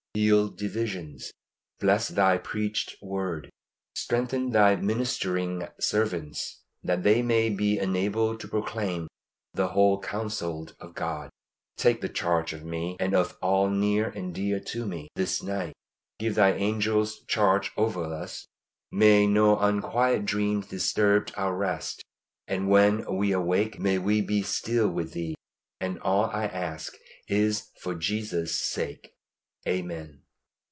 Heal divisions. Bless Thy preached word. Strengthen Thy ministering servants, that they may be enabled to proclaim the whole counsel of God. Take the charge of me, and of all near and dear to me, this night. Give Thine angels charge over us. May no unquiet dreams disturb our rest, and when we awake may we be still with Thee. And all I ask is for Jesus' sake. Amen.